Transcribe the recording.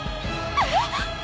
えっ！？